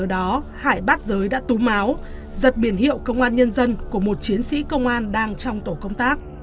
đó hải bắt giới đã tú máu giật biển hiệu công an nhân dân của một chiến sĩ công an đang trong tổ công tác